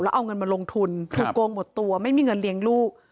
เอาเงินมาลงทุนถูกโกงหมดตัวไม่มีเงินเลี้ยงลูก